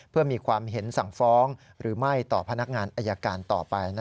เพื่อมีความเห็นสั่งฟ้องหรือไม่ต่อพนักงานอายการต่อไป